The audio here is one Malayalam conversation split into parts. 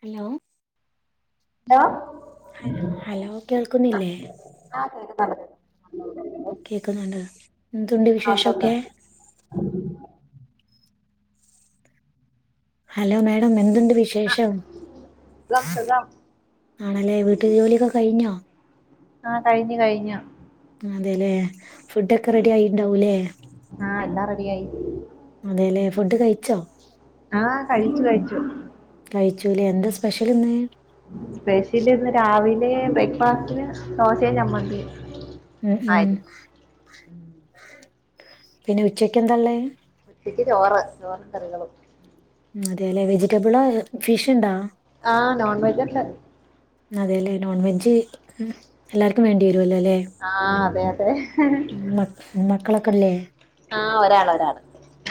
ഹലോ ഹലോ ഹലോ ഹലോ കേൾക്കുന്നില്ലേ അത് [unintelligible] കേക്കുന്നുണ്ട് എന്തുണ്ട് ആ ഉണ്ടുണ്ട് വിശേഷൊക്കെ ഹലോ മേഡം എന്തുണ്ട് വിശേഷം സുഖം സുഖം ആണല്ലേ വീട്ട് ജോലിയൊക്കെ കഴിഞ്ഞോ ആഹ് കഴിഞ്ഞു കഴിഞ്ഞു അതെല്ലെ ഫുഡ്ഡൊക്കെ റെഡിയായിട്ടുണ്ടാവൂല്ലേ ആഹ് എല്ലാം റെഡിയായി അതെല്ലെ ഫുഡ്ഡ് കഴിച്ചൊ ആഹ് കഴിച്ചു കഴിച്ചു കഴിച്ചുല്ലേ എന്താ സ്പെഷ്യലിന്ന് [unintelligible] ബ്രേക്ക്ഫാസ്റ്റ്ന് ദോശേം ചമ്മന്തി ഉം ഉം പിന്നെ ഉച്ചക്ക് എന്താള്ളെ ഉച്ചക്ക് ചോറ് ചോറും കറികളും അതേലെ വെജിറ്റബിള ഫിഷ്ഇണ്ടാ ആഹ് നോൺ വെജ് ഉണ്ട് അതെല്ലെ നോൺവെജ് എല്ലാർക്കും വേണ്ടി വരൂല്ലല്ലേ ആ അതെ അതെ മക്ക മക്കളൊക്കെല്ലേ ആഹ് ഒരാള് ഒരാള്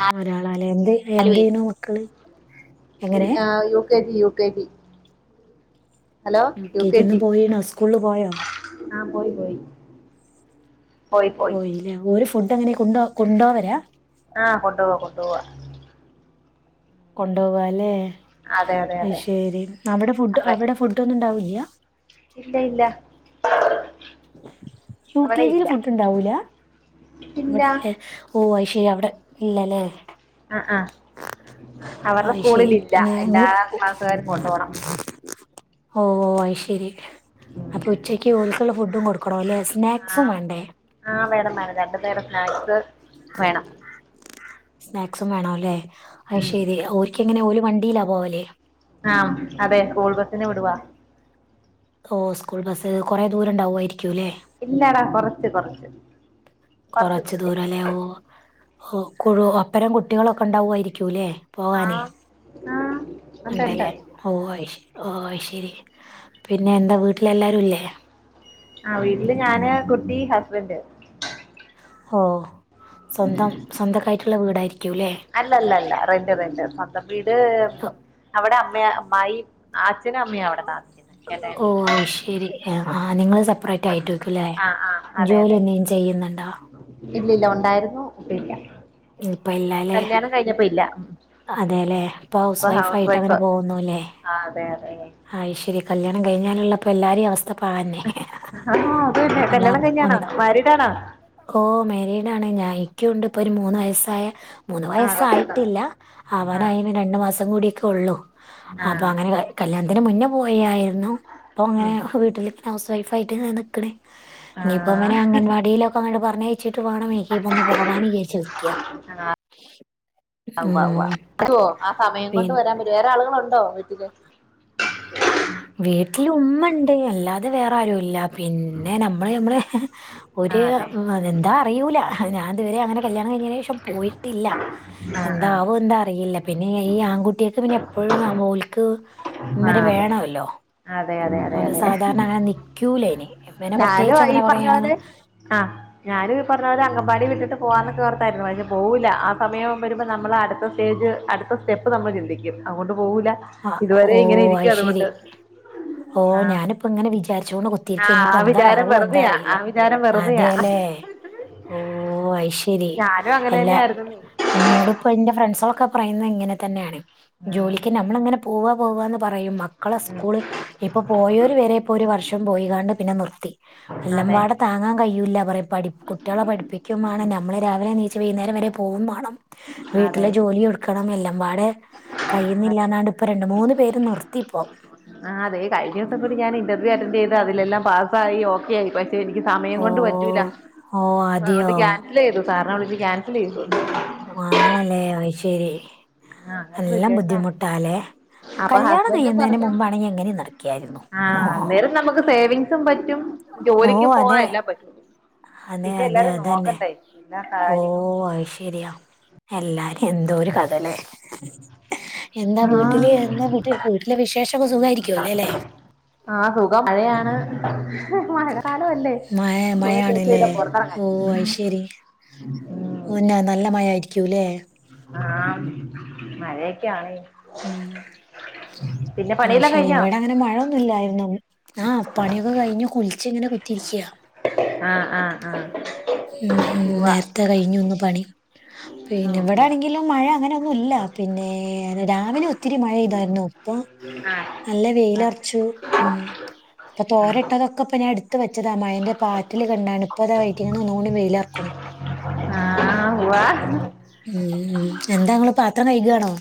ആഹ് ഒരാളാലെ എന്ത് എന്ത് ചെയ്യണു മക്കള് കുഞ് എങ്ങനെ ആ U K G U K G hello U U K G ഇന്ന് പോയിണോ സ്കൂള്ല് പോയോ ആഹ് പോയി പോയി പോയി പോയി പോയില്ലേ ഓരു ഫുഡ് എങ്ങനെ കൊണ്ടോ കൊണ്ടോവരാ ആഹ് കൊണ്ടുപോവാ കൊണ്ടുപോവാ കൊണ്ട്പോക അല്ലെ അതെ അതെ അത് അതെ ശരി അവിടെ ഫുഡ് അപ്പൊ അവിടെ ഫുഡ് ഒന്നുംണ്ടാവില്ല ഇ യാ ഇല്ല ഇല്ല യു കെ അവിടെ ജില് ഇല്ല ഫുഡ് ഉണ്ടാവൂല ഇല്ല ഇവിടെ ഇല്ലേ ഓ അത് ശെ രി അവിടെ ഇല്ലല്ലേ ആഹ് ആഹ് അയ് ശരി പിന്നെ എങ്ങനെ ഓ ക്ലാസ്സുകാരും കൊണ്ടുപോകണം [unintelligible] ഓഹ് ഓഹ് അയ് ശരി അപ്പൊ ഉച്ചക്ക് ഓൽക്കുള്ള ഫുഡ് ഡും കൊടുക്കണല്ലെ സ്നാക്സും വേണ്ടേ വേറെ സ്നാക്ക്സ് വേണം സ്നാക്സും വേണോല്ലേ അത് ഉം. ശരി ഓര്ക്ക് എങ്ങനെ ഓര് വണ്ടിലാ പോവല് ആഹ് അതെ സ്കൂൾബസിന് വിടുവാ ഓഹ് സ്കൂൾ ബസ്സ് കൊറെ ദൂരം ഉണ്ടാവുവായിരിക്കുല്ലേ ഇല്ലടാ കൊറച്ച് കൊറച്ച് കുറച്ച് ദൂരംല്ലേ ഓഹ് ഓഹ് കുഴു ഒപ്പരം കുട്ടികളൊക്കെ ഉണ്ടാവുയാരിക്കൂല്ലേ ആ പോവാനേ ആ ഉണ്ട് ഉണ്ട് ണ്ടല്ലേ ഓഹ് അയ്ശരി ഓ ശെരി പിന്നെ എന്താ വീട്ടിലെയല്ലാരുല്ലേ ആ വീട്ടില് ഞാന് കുട്ടി ഹസ്ബന്റ് ഓ സ്വന്തം സ്വന്തക്കായിട്ട്ള്ള വീടായിരി അല്ല അല്ല അല്ല റെന്റ് റെന്റ് സ്വന്തം വീട് അവിടെ അമ്മേ അമ്മായി അച്ഛനും അമ്മേ അവിടെ താ ഓ അയ്ശേരി ഏ ആ നിങ്ങള് സ പ്പറേറ്റായിട്ടേക്കുല്ലേ ആ ആ ജോലി എനേലും ചെയ്യുന്നുണ്ടോ ഇല്ലല്ല ഒണ്ടായിരുന്നു ഇപ്പയില്ല കല്യാണം കഴിഞ്ഞപ്പയില്ല അതേല്ലെ ഇപ്പൊ ഹൗസ് വൈഫായിട്ടങ്ങനെ വൈഫ് പോവുന്നുല്ലേ ആ അതെ അതെ അയിശരി ഈ കല്യാണം കഴിഞ്ഞാലുള്ളപ്പ എല്ലാരെ അവസ് ആ ആ അതെയതെ ഒന്നാ കല്യാണം കഴിഞ്ഞാണോ ഒന്ന് മാരീഡാണോ? ഓ മേരീഡാണ് ഞായി ക്കുണ്ട് ഇപ്പൊരു മൂന്ന് വയസ്സായ മൂന്ന് ആ കൊച്ചുണ്ട് വയസ്സായിട്ടില്ല ആ അവനയിന്ന് രണ്ട് മാ സം കൂടിറ്റൊള്ളൂ ആ അപ്പൊ അങ്ങനെ ക കല്യാണത്തിന് മുന്നേ പോയിയാരു ന്നു ഇപ്പൊങ്ങനെ ഉം വീട്ടില് ഹൗസ് വൈഫായിട്ട്ങ്ങ് നിക്ക്ണ് ആ ഇഞ്ഞിപ്പൊങ്ങനെ അംഗവാടിയിലൊക്കങ്ങട് പറഞ്ഞയിച്ചിട്ട് വാണം എനിക്ക്പ്പൊന്ന് പൊഹവാന്ന് വിചാരിച്ചര്ക്ക്യാ ആ വാ ഉവാ മുത്തോ ആ സമയം കൊണ്ട് പിന്നെ വരാൻ പറ്റൊ വേറെ ആളുകളൊണ്ടോ വീട്ടില് വീട്ടില് ഉമ്മണ്ട് അല്ലാതെ വേറാരുല്ല പിന്നെ ന മ്മള് നമ്മളെ ആ ഒര് അതെ ഉം അതെന്താ അറിയൂല്ല അത് ഞാൻ ഇതുവരെ അങ്ങനെ കല്യാണം കഴിഞ്ഞേനെഷം പോയിട്ടില്ല. ആ ആ എന്താവോ എന്താ അറിയില്ല പിന്നെ ഈ ആൺകുട്ടിയേക്ക് പിന്നെ എപ്പഴും ആ മോല്ക്ക്‌ ആ ഇമ്മാരെ അതെ വേണവ അതെ അതെ അവന് സാധാരണങ്ങനെ നിക്കൂലയിന് ഞാനു ഈ പറഞ്ഞ പോലെ ആ ഞാനു ഈ പറഞ്ഞ പോലെ അങ്കമ്പാടി വിട്ടിട്ട് പോവാനൊക്കെ ഓർത്താര്ന്നു പക്ഷെ പോവുല്ലാ. ആ സമയം വെരുമ്പം ഞമ്മളാരത്തും സ്റ്റേജ് അടുത്ത സ്റ്റെപ്പ് നമ്മള് ചിന്തിക്കും അവോണ്ടും പോവൂല്ലാ ആഹ് ഇതുവരെ ഓ ഇങ്ങനെ അത് ഇരിക്കാ ശരി. അതുകൊണ്ട് ഓ ആഹ് ഞാനിപ്പങ്ങനെ വിചാരിച്ചോണ്ട് കുത്തിരിക്കേനി ആഹ് ഇപ്പ ആ എന്താ വിചാരം ആവോ വെറുതെയാ എന്താറിയില്ല ആ വിചാരം വെറുതെയാ അതേല്ലേ ഓ അയ്ശരി ഞാനും അങ്ങനെ എല്ലാ തന്നെ ആയിരുന്നു ഇന്നോട്പ്പൊ ഇന്റെ ഫ്രണ്ട്സളൊ ക്ക പ്രയ്ന്നത് ഇങ്ങനെ തന്നേണെ ആഹ് ജോലിക്ക് നമ്മള്ങ്ങനെ പോവാ പോവാന്ന് പറയും മ ക്കളെ ഉം സ്കൂള് ഇപ്പൊ പോയോരു വരെ ഇപ്പോ ഒരു വർഷം പോയികാണ്ട് പിന്നെ നിർത്തി അതെ എല്ലാമ്പാടെ താങ്ങാൻ കയ്യൂല്ല വരെ പഠി കുട്ടിയളെ പഠിപ്പിക്കും വാണം ഞമ്മള് രാവിലെനീച്ച് വൈന്നേരം വരെ പോവുമാണം അതെ വീട്ടിലെ ജോലിയുട്ക്കണം എല്ലാവാടെ കഴിയ്യുന്നില്ല അതെ ഇപ്പ രണ്ടു മൂന്ന് പേര് നിർത്തിപ്പൊ ആതെ കഴിഞ്ഞോസക്കൂട്ടി ഞാന് ഇന്റർവ്യു അറ്റൻഡെയ്ത് അതിലെല്ലാം പാസ്സായി യോ [unintelligible] പക്ഷെ എനിക്ക് സമയം ഓ കൊണ്ട് പറ്റൂലാ ഓ അതൊണ്ട് ക്യാൻസലെയ്തു സാറെ വിളിച്ച് ക്യാൻസലെയ്തു ആണല്ലേ അയ്ശരി ആഹ് അങ്ങനെ എല്ലാ സിറ്റുവേഷനാണ് ബുദ്ധിമുട്ടാല്ലെ ഓ അപ്പൊ കല്യാണം ഹസ്ബൻഡും കയ്യുന്നേനെ പറഞ്ഞു മുമ്പാണെങ്കി ഞാനിങ്ങനെ നടക്ക്യായിരുന്നു ആഹ് [unintelligible] ജോലിക്ക് പോവാ എല്ലാപറ്റും അതെ പിന്നെ അതെ എല്ലാരും അതന്നെ നോക്കണ്ടെ പിന്നാ ഓ കാര്യങ്ങളും നോ എന്തോരു കഥല്ലെ എന്താ വീട്ടില് ആഹ് എന്നാ വീട്ടില് വീട്ടിലെ വിശേഷൊക്കെ സുഖാരിക്കുല്ലേല്ലല്ലെ ആ സുഖം ആ മഴക്കാലവല്ലേ മഴ മഴയാണല്ലേ [unintelligible] പൊറത്തറങ്ങാൻ ഉം ഉന്നെ നല്ല മഴയാരിക്കൂല്ലേ ആ മഴക്കെയാണ് ഉം പണിയെല്ലാം അയ്ശരി കഴിഞ്ഞോ ഇവിടങ്ങനെ മഴൊന്നുല്ലാ എന്നും ആഹ് പണിയൊക്ക കഴിഞ്ഞു കുള്ച്ചിങ്ങനെ കുത്തിരിക്കയാ ആ ആ ഉം ഉം നേരത്തെ കഴിഞ്ഞുന്ന് പണി പിന്നെ ഉം ഇവിടെ ഉം ആണെങ്കിലും മഴ അങ്ങനെ ഒന്നുല്ല പിന്നെ രാ രാവിലെ ഒത്തിരി മഴയ്താരുന്നു ഉം നല്ല വെയിലറച്ചു ഉം ഇപ്പൊ തോരട്ടതൊക്കെ ഇപ്പൊ ഞാൻ എട് ത്തത മഴന്റെ പാറ്റില് കണ്ടാണ് ഇപ്പത [unintelligible] ന്ന് ഒന്നൂടി വെയിലറക്കണ് ആഹ് ഉവ്വ ഉം ഉം എന്താങ്ങളു പാത്രം കഴുകാണോ?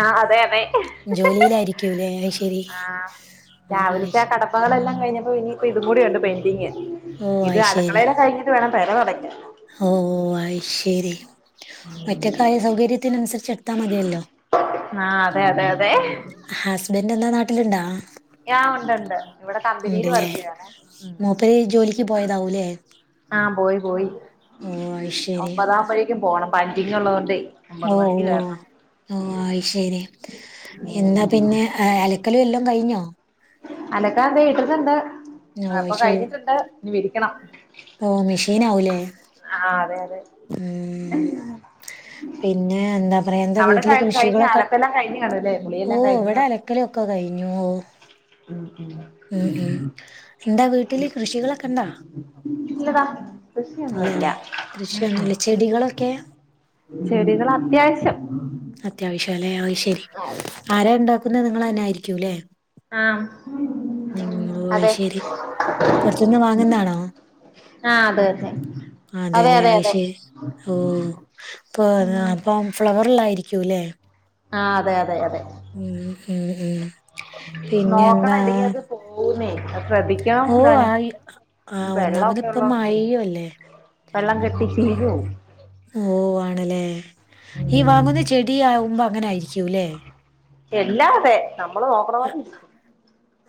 ആ അതെ അതെ ജോലിയിലായിരിക്കൂല്ലേ അയ്ശരി ആ ഓ രാവിലത്തെ ആ അയ്ശരി കടപ്പകളെല്ലാം കഴിഞ്ഞപ്പോ ഇനി ന്നും കൂടിണ്ട് പെന്റിങ്ങ് ഓ ഇത് അയ്ശരി അടുക്കളയില കഴിഞ്ഞിട്ട് വേണം പെര തൊടക്കൻ ഓ അയി ശരി മറ്റേ കാര്യ സൗകര്യത്തിനനുസരിച്ച് എടുത്താ മതിയല്ലോ ആഹ് അതെ അതെ അതെ ഹസ്ബൻഡ് എന്താ നാട്ടിലുണ്ടാ? ആ ഉണ്ടണ്ട് ഇവിടെ കമ്പനിയിൽ ഉണ്ടല്ലേ വർക്കു ചെയ്യുവാണ് മൂപ്പര് ജോലിക്ക് പോയതാവൂലേ ആ പോയി പോയി ഓ അയ്ശരി ഒമ്പതാമ്പഴേക്കും പോണം പഞ്ചിങ്ങ് ഉള്ളതുകൊണ്ടേ ഒമ്പത് മണിക്ക് വരണം ആ അത് ശരി എന്നാ പിന്നെ അലക്കലു എല്ലാം കഴിഞ്ഞോ? അലക്കാൻ ദേ ഇട്ടിട്ടുണ്ട് ഓ അപ്പൊ അയ്ശരി കഴിഞ്ഞിട്ടുണ്ട് ഇനി വിരിക്കണം ഓ മെഷീൻ ആവുലേ ആ അതെയതെ ഉം പിന്നെ എന്താ പറയാ എന്താ അവിടെ വീട്ടില് കഴി കഴിഞ്ഞ കൃഷികളൊക്കെ അലക്കെല്ലാം കഴിഞ്ഞ് കാണുല്ലേ ഓ കുളിയെല്ലാം ഇവിടെ അലക്കലൊക്കെ കഴിഞ്ഞു ഓ ഉം ഉം ഉം എന്താ വീട്ടില് കൃഷികളൊക്കെ ഇണ്ടോ? ഇല്ലഡാ കൃഷിയൊന്നുല്ല ഉ ഉം കൃഷിയൊന്നുല്ല ചെടികളൊക്കെ ചെടികൾ അത്യാവശ്യം അത്യാവശ്യല്ലെ അത് ശെരി ആരാ ഉണ്ടാക്കുന്നത് നിങ്ങളു തന്നെ ആയിരിക്കുല്ലേ? ആ ഓ അതെ അയ്ശരി പുറത്തുന്ന് വാങ്ങുന്നാണോ ആ അതു തന്നെ അതെല്ലെ അത് ശരി ഓ ഇപ്പൊ ഉം അപ്പോ ഫ്ലോറില്ലായിരിക്കും ക്കൂലേ ആ അതെയതെ അതെ ഉം ഉം ഉം പിന്നെ എന്താ നോക്കണം ഇല്ലെങ്കി അത് പോകുന്നേ അത് ഓ ശ്രദ്ധിക്കണം ആ താനും ആ ഒന്നാമത് വെള്ളമൊക്കെ ഇന്നിപ്പോ ഉള്ളോണ്ടേ മഴയും അല്ലേ വെള്ളം കെട്ടി ചീഞ്ഞ് പോവും ഓ ആണല്ലേ ഈ ഉം വാങ്ങുന്ന ചെടി ആകുമ്പോ അങ്ങനെ ആയിരിക്കൂല്ലേ? എല്ലാ അതെ നമ്മള് നോക്കണ പോലെയിരിക്കും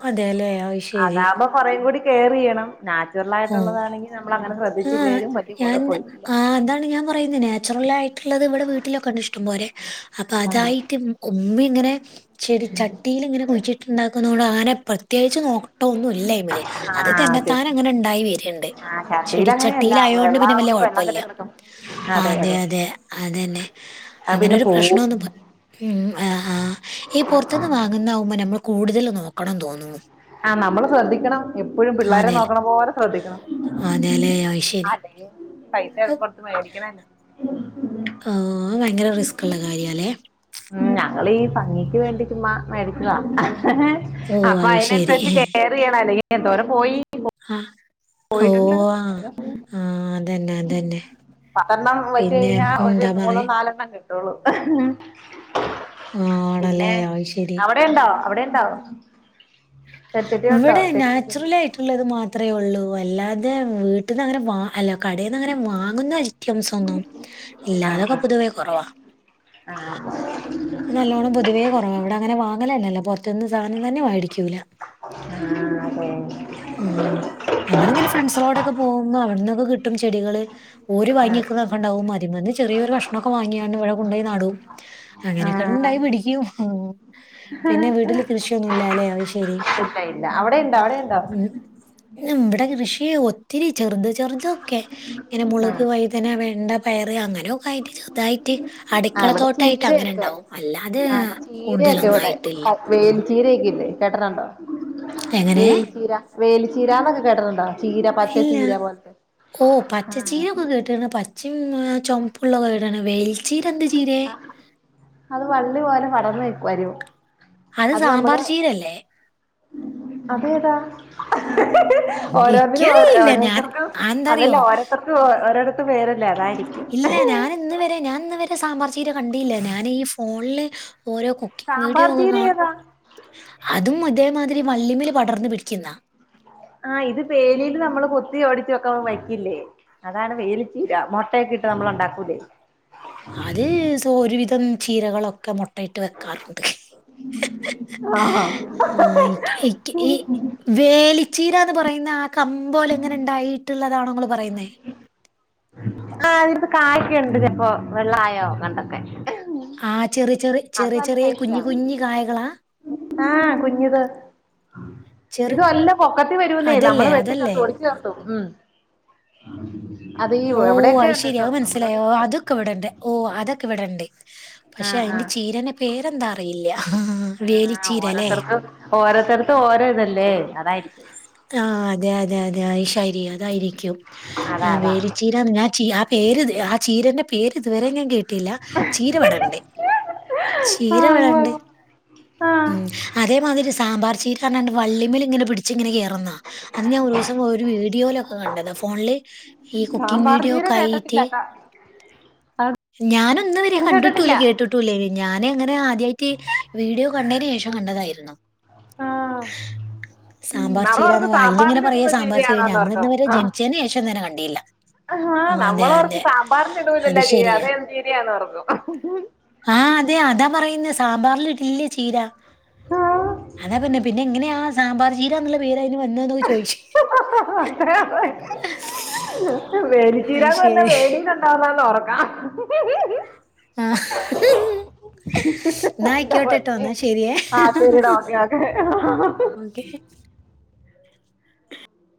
അതെല്ലേ അത് ശരി അതാവുമ്പോ കൊറേ കൂടി കെയർ ചെയ്യണം നാച്ചുറൽ ഓ ആയിട്ടുള്ളതാണെങ്കി നമ്മൾ അങ്ങനെ ആ ശ്രദ്ധിച്ചില്ലേലും വലിയ ഞാൻ കുഴപ്പമില്ല ആ എന്താണ് ഞാൻ പറയുന്നത് നാച്ചുറൽ ആയി ട്ടുള്ളത് ഇവിടെ വീട്ടിലൊക്കെണ്ട് ഇഷ്ടം പോലെ അപ്പൊ ആഹ് അതായിട്ട് ഉമ്മി ഇങ്ങനെ ചെടി ചട്ടിൽ ഇങ്ങനെ കുഴിച്ചിട്ടുണ്ടാക്കുന്നതു കൊണ്ട് അങ്ങനെ പ്രത്യേകിച്ച് നോക്ക ട്ടോ ഒന്നും ഇല്ല അയ്മ്മല് അത് അതെ തന്നെത്താൻ അങ്ങനെ ഉണ്ടായി വരിണ്ട് ആഹ് ചട്ടിയില് അങ്ങനെയല്ല ചെടിച്ചട്ടിലായോണ്ട് പിന്നെ വല്യ വെള്ളാവുമ്പോ വെള്ളം കൊഴപ്പല്ല കെട്ടി കിടക്കും ആദ്യ അതെ അതന്നെ അത് പിന്നെ അങ്ങനോരു പ്രശ്നം പോവും ഒന്നും ഉം ആ ആ ഈ പുറത്ത നിന്ന് വാങ്ങുന്നതാവുമ്പോ നമ്മള് കൂടുതൽ നോക്കണോന്നു തോന്നൂന്നു ആ നമ്മള് ശ്രദ്ധിക്കണം എപ്പഴും ആ പിള്ളാരെ നെല നോക്കണം തു പോലെ ശ്രദ്ധിക്കണം ആ നെല അത് ശരി അതെ പൈസയൊക്കെ ഉം, കൊടുത്തു മേടിക്കണല്ലേ ഓ അത് ഭയങ്കര റിസ്ക് ഉള്ള കാര്യല്ലേ ഉം ഞങ്ങളീ ഭംഗിക്ക് വേണ്ടി ചുമ്മാ മേടിച്ചതാ ഓ അപ്പൊ അത് അതിന ശരി കെയർ ചെയ്യണം അല്ലെങ്കി എന്തോരം പോയി ആ, ഓ പോയിട്ടുണ്ട് ആ ആ, അതന്നെ അതന്നെ പത്തെണ്ണം വെച്ച് പിന്നെ കഴിഞ്ഞാ ഒരു എന്താ മൂന്നും പറയാ നാലെണ്ണം കിട്ടും [unintelligible] ആണല്ലേ പിന്നെ അത് ശരി അവിടെ ഉണ്ടോ അവിടെ? ഉണ്ടാവും. ഇവിടെ നാച്ചുറൽ ആയിട്ടുള്ളത് മാത്രേ ഉള്ളൂ വാ അല്ലാതെ വീട്ടിൽന്ന് അങ്ങനെ വാ അല്ല കടയിൽന്ന് അങ്ങനെ വാങ്ങുന്ന ഐറ്റംസ് ഒന്നും ഇല്ലാതൊക്കെ പൊതുവേ കുറവാ ആഹ നല്ലവണ്ണം പൊതുവേ കുറവാ ഇവിടെ അങ്ങനെ വാങ്ങലല്ലോ പുറത്തനിന്ന് സാധനം തന്നെ വേ ആ ആ നമ്മള ഇങ്ങനെ ഫ്രെണ്ട്സോഡെക്കെ പോകുമ്പോ അവിടുന്ന് കിട്ടും ചെടികൾ ഒരു ആഹ് അതെ വാങ്ങിക്കുന്നൊക്കെ ഉണ്ടാവും മതി [unintelligible] ചെറിയൊരു കഷ്ണം ഒക്കെ വാങ്ങിയാണ് ഇവിടെ കൊണ്ട നടും അങ്ങനെയൊക്കെ ആഹ് ഉണ്ടായി പിടിക്കും ഹെ പിന്നെ വീട്ടില് കൃഷിയൊന്നുമില്ലലെ അത്ശരി ഇല്ല ഇല്ല അവിടെ ഉണ്ടോ അവിടെ ഉണ്ടോ എം ഇവിടെ കൃഷി ഏയ് ഒത്തിരി ചെറുത് ചെറുതൊക്കെ ഇങ്ങനെ മുളക് ആഹ് വഴുതന വെണ്ട പയർ അങ്ങ നെ ഒക്കെയായിട്ട് ചെറതായിട്ട് ആഹ് അടുക്കള ഇവിടെ തോട്ടായി ചീരയൊക്കെ ആ ചീരയൊക്കെ കൂടുതലൊന്നും ഇവിടെ ആയിട്ടില്ല [unintelligible] ചീരയക്കെ ഇല്ലേ കേട്ടട്ടണ്ടോ? എങ്ങനെ വേലിച്ചീര വേലിച്ചീരന്നൊക്കെ കേട്ടട്ടണ്ടോ? ഇല്ല ഓ പച്ച ആഹ് ചീര ഒക്കെ കേട്ടാണ് പച്ചയും ചോപ്പുള്ള കേട്ടണ് വേലി ആഹ അത് വള്ളി പോലെ പടർന്നു വരും. അത് സാമ്പാർ ചീരല്ലേ? അതേതാ? ഹ ഹ ഓരോന്നിനും ഓ ഇക്കറിയില്ല ഞാൻ ഓരോരുത്തർക്കും അതല്ല അതെന്താറിയോ ഓരോത്തർക്കും ഓരോത്ത പേരല്ലേ അതായ ഇല്ല ഞാൻ ഇന്ന് വരെ ഞാൻ ഇന്ന വരെ സാമ്പാർ ചീര കണ്ടില്ല ഞാൻ ഈ ഫോണില് ഓരോ കുക്കിംഗ് വീഡിയോ സാമ്പാർ ഒക്കെ ചീര കാണും ഏതാ അതും അതേമാതിരി വള്ളിമേലെ പടർന്നു പിടിക്കുന്ന ആഹ ഇത് പേലിൽ നമ്മള് കൊത്തി ഒടിച്ച് ഒക്കെ വെക്കില്ലേ അതാണ് വേലിച്ചീര മുട്ടയക്കെ ഇട്ട് നമ്മൾ ഉണ്ടാക്കൂല്ലേ? അത് സ ഒരുവിധം ചീരകളൊക്കെ മുട്ടയിട്ട് വെക്കാറുണ്ട്. ആഹ് ആ എനിക്കിനി എനിക്കിനി വേലി ചീരന്ന് പറയുന്ന ആ കം പോലെ എങ്ങനെ ഉണ്ടായിട്ടുള്ളതാണോ നിങ്ങൾ പറയുന്നേ ആഹ അതിപ്പോ കായ്ക്കുണ്ട് ചപ്പോ വെള്ളായോ അങ്ങണ്ടൊക്കെ ആ ചെറി ചെറി ചെറി ചെറിയ കുഞ്ഞി കുഞ്ഞി കായകളാ ആഹ കുഞ്ഞത്. ചെറു ഇത് വല്ല പൊക്കത്തി വരുന്നേ അതല്ലേ നമ്മള് വെട്ടി അതല്ലേ ചേർത്തു ഒടിച്ചു നിർത്തും ഉം. ആ ഓ അയ് ശരിയാ മനസ്സിലായി ഉണ്ട് അതൊക്കെ ഇവിടെ ഉണ്ട് ഓ അതൊക്കെ ഇവിടെ ഉണ്ട്. പക്ഷെ അതിന്റെ ചീരന്റെ പേരെന്താ അറിയില്ല. ആ വേലിച്ചീര അല്ലേ ഓരോരുത്തർക്കും ഓരോത്തടത്തും ഓരോ ഇതല്ലേ ഓ അതായിരിക്കും. ആ അതെ അതെ അതെ അയ് ശരി അതായിരിക്കും അതാ അതാ വേലി ആ ചീ ആ പേര് ഇത് ആ ചീരന്റെ പേര് ഇതുവരെ ഞാൻ കേ ട്ടില്ല ചീര ഇവിടെ ഇണ്ട് ചീര ആഹ് ഇവിടെ ഉണ്ട്. ഉവ്വ് ആഹ് ഉം അതേമാതിരി സാമ്പാർ ചീര ണ്ട് വള്ളിമ്മൽ ഇങ്ങനെ പിടി ച്ച് ഇങ്ങനെ കയറന്നാ അത് ഞാൻ ഒരു ദിവസം ഒരു വീഡിയോയില ഒക്കെ കണ്ടത് ഫോണില് ഈ കു ക്കിങ് ഈ സാമ്പാർ വീഡിയോ ചീര ഓക്കെ ആയിട്ട്. കേട്ടിട്ടില്ലട്ടാ അത് ഞാനിന്നുവരെ കേട്ടിട്ടില്ല കണ്ടിട്ടുമില്ല കേട്ടിട്ടുമില്ല. ഞാൻ അങ്ങനെ ആദ്യമായിട്ട് വീഡിയോ കണ്ടതിന് ശേഷം കണ്ടതായിരുന്നു. ആഹ് സാമ്പാർ നമ്മളോർക്കും ചീരന്നാ അതില്ഇങ്ങനെ പറയാ സാമ്പാറിലിടുന്ന സാമ്പാർ ചീര ഞമ്മളിന്ന് ചീരയാണോന്നോർക്കും വരെ ജനിച്ചതിന് ശേഷം തന്നെ കണ്ടില്ലാ. ആ നമ്മളർക്ക് സാമ്പാറിൽ ഇടുല്ലല്ലോ ചീര അത് ഏത് ചിരയാന്നോർക്കും. ആ അതെ അതാ പറയ് ന്നെ സാമ്പറിലിടില്ല ചീര, അതാ പിന്നെ പിന്നെ എങ്ങനയാ സാമ്പാറ് ചീര എന്നുള്ള പേര് അയിനു ഹ ഹ ഹ ഹ അതെയതെ അയ് വേലിച്ചീരാന്ന് പറഞ്ഞ ശരി. വേലിലുണ്ടാവുന്നാന്ന് ഓർക്കാം. ആ ഇന്ന എന്താ ആയിക്കോട്ടെട്ടോ പൊന്നെ എന്ന ശെരിയേ ആ ശരിടാ ഓക്കെ ഓക്കെ ഓക്കെ.